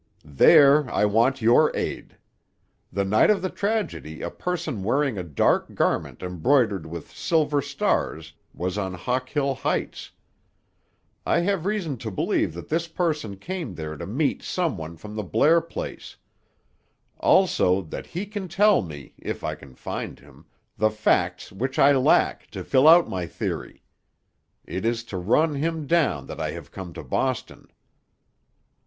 "There I want your aid. The night of the tragedy a person wearing a dark garment embroidered with silver stars, was on Hawkill Heights. I have reason to believe that this person came there to meet some one from the Blair place; also, that he can tell me, if I can find him, the facts which I lack to fill out my theory. It is to run him down that I have come to Boston."